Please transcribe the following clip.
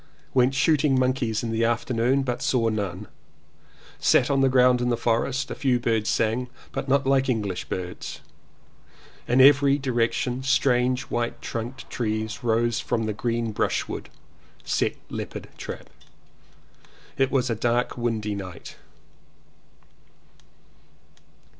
Went shooting monkeys in the afternoon, but saw none. Sat on the ground in the forest. A few birds sang, but not like 261 CONFESSIONS OF TWO BROTHERS English birds. In every direction strange white trunked trees rose from the green brushwood. Set leopard trap. It was a dark windy night.